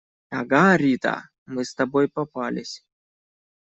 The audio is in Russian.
Ага, Рита! Мы с тобой попались.